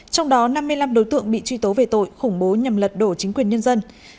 trong đó năm mươi năm đối tượng bị truy tố về tội khủng bố nhằm lật đổ chính quyền nhân dân